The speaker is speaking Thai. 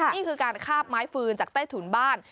นี่คือการคาบไม้ฟืนจากใต้ถุนบ้าน